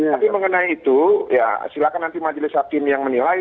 tapi mengenai itu ya silakan nanti majelis hakim yang menilai